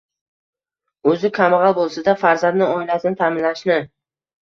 O‘zi kambag‘al bo‘lsa-da, farzandni, oilasini ta’minlashni